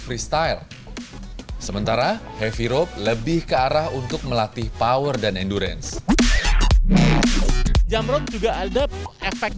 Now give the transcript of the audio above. freestyle sementara heavyrope lebih kearah untuk melatih power dan endurance jamrope juga ada efek